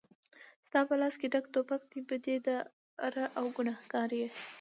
ستا په لاس کې ډک توپک دی بدي دار او ګنهګار یې